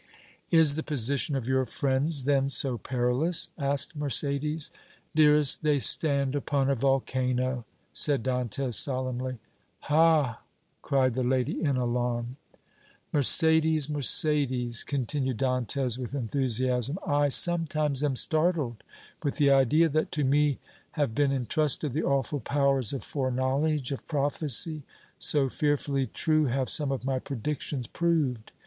"Is the position of your friends then so perilous?" asked Mercédès. "Dearest, they stand upon a volcano!" said Dantès, solemnly. "Ha!" cried the lady in alarm. "Mercédès Mercédès!" continued Dantès with enthusiasm, "I sometimes am startled with the idea that to me have been entrusted the awful powers of foreknowledge, of prophecy, so fearfully true have some of my predictions proved!